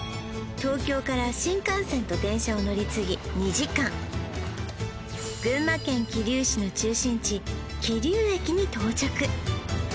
東京から新幹線と電車を乗り継ぎ２時間群馬県桐生市のがたった